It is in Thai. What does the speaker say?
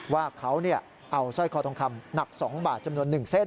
ว่าเขาเอาสร้อยคอทองคำหนัก๒บาทจำนวน๑เส้น